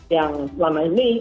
yang selama ini